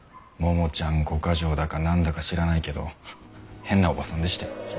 ももちゃん５ヶ条だかなんだか知らないけど変なおばさんでしたよ。